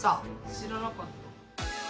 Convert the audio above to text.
知らなかった。